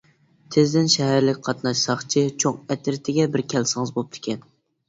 تىزدىن شەھەرلىك قاتناش ساقچى چوڭ ئەترىتىگە بىر كەلسىڭىز بوپتىكەن.